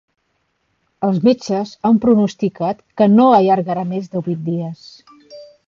Els metges han pronosticat que no allargarà més de vuit dies.